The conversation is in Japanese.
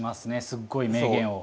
すごい名言を。